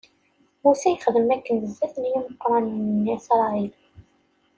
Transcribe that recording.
Musa yexdem akken zdat n imeqranen n Isṛayil.